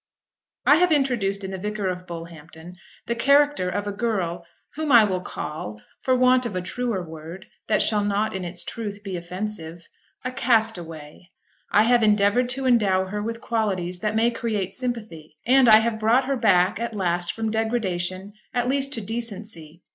I have introduced in the Vicar of Bullhampton the character of a girl whom I will call, for want of a truer word that shall not in its truth be offensive, a castaway. I have endeavoured to endow her with qualities that may create sympathy, and I have brought her back at last from degradation at least to decency.